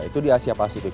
itu di asia pasifik